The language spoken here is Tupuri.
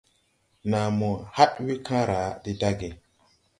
Nàa mo haɗ we kããra de dage.